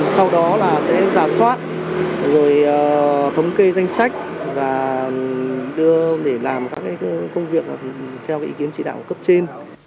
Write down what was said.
sau đó là sẽ giả soát rồi thống kê danh sách và đưa để làm các cái công việc theo ý kiến trị đạo cấp trên